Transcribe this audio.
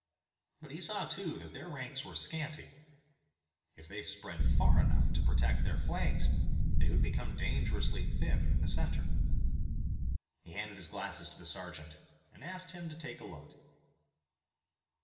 But he saw too that their ranks were scanty. If they spread far enough to protect their flanks they would become dangerously thin in the center. He handed his glasses to the sergeant, and asked him to take a look.